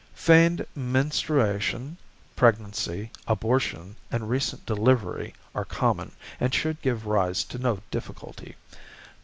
Feigned menstruation, pregnancy, abortion, and recent delivery are common, and should give rise to no difficulty.